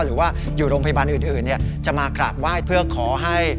หรือว่าอยู่โรงพยาบาลอื่นจะมากราบไหว้เพื่อขอให้